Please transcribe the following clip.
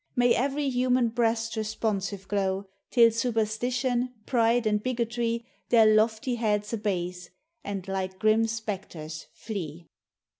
May every human breast responsive glow, Till superstition, pride, and bigotry, Their lofty heads abase, and like grim spectres flee.